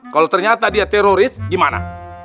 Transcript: kalau ternyata dia teroris di mana